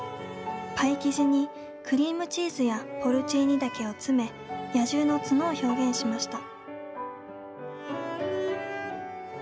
パイ生地にクリームチーズやポルチーニ茸を詰め野獣の角を表現しました。